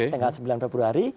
tanggal sembilan februari